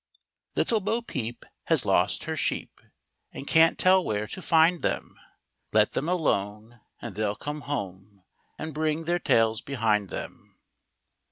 J ITTLE Bo Peep has lost her sheep, And can't tell find them, Let them alone, and they'll come home, And bring their tails behind them.